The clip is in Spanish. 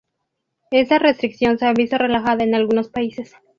Esta restricción se ha visto relajada en algunos países.